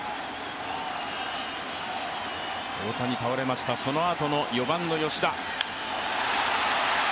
大谷倒れました、そのあとの４番の吉田。